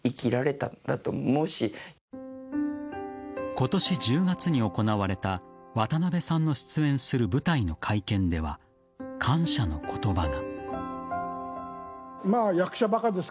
今年１０月に行われた渡辺さんの出演する舞台の会見では感謝の言葉が。